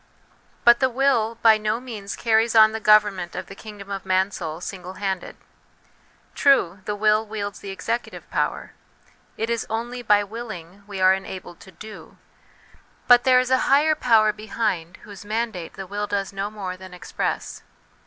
But the will by no means carries on the government of the kingdom of Mansoul single handed. True, the will wields the executive power ; it is only by willing we are enabled to do ; but there is a higher power behind, 33 HOME EDUCATION whose mandate the will does no more than express.